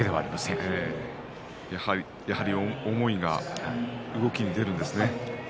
思いが動きに出るんですね。